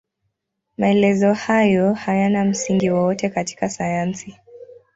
Maelezo hayo hayana msingi wowote katika sayansi.